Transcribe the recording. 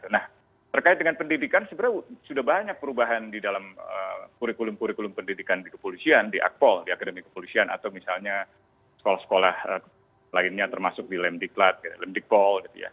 nah terkait dengan pendidikan sebenarnya sudah banyak perubahan di dalam kurikulum kurikulum pendidikan di kepolisian di akpol di akademi kepolisian atau misalnya sekolah sekolah lainnya termasuk di lemdiklat lemdikpol gitu ya